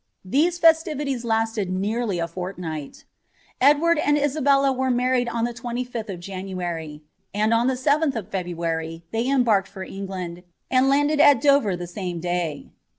Tlac festivities lasted nearly a fortnighL Edward and Isabella wcte ni»oi«d on the 3&th of January, and on the 7th of February they embarked hi England, and landed at Dover the same day.